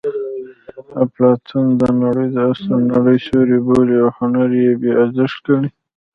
اپلاتون دا نړۍ د اصلي نړۍ سیوری بولي او هنر یې بې ارزښته ګڼي